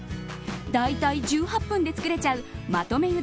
だいたい１８分で作れちゃうまとめ